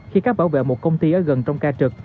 khi các bảo vệ một công ty ở gần trong ca trực